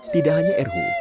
tidak hanya erhu